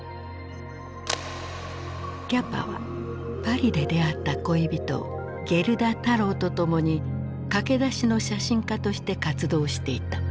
キャパはパリで出会った恋人ゲルダ・タローと共に駆け出しの写真家として活動していた。